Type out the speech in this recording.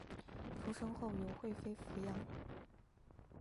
出生后由惠妃抚养。